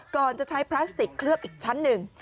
ก่อนจะใช้พลาสติกเคลือบอีกชั้นหนึ่ง